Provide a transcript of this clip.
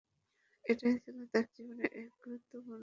এটাই ছিল তার জীবনের এক গুরুত্বপূর্ণ মোড়।